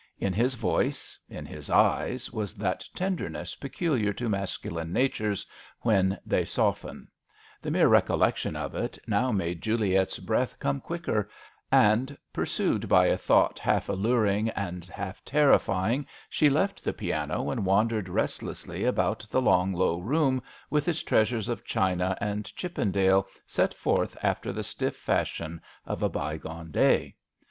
In his voice, in his eyes, was that tenderness peculiar to masculine natures when they soften ; the mere recollection of it now made Juliet's breath come quicker; and, pursued by a thought half alluring, half terrifying, she left the piano and wandered restlessly about the long, low room with its treasures of china and Chippen dale set forth after the stiff fashion of a bygone day.